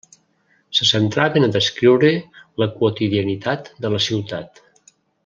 Se centraven a descriure la quotidianitat de la ciutat.